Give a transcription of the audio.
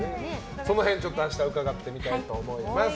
その辺明日伺ってみたいと思います。